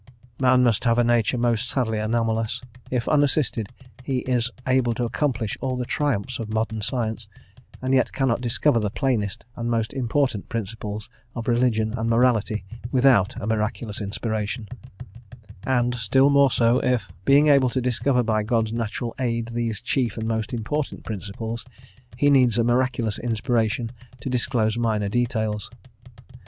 Man must have a nature most sadly anomalous if, unassisted, he is able to accomplish all the triumphs of modern science, and yet cannot discover the plainest and most important principles of Religion and Morality without a miraculous inspiration; and still more so if, being able to discover by God's natural aid these chief and most important principles, he needs a miraculous inspiration to disclose minor details."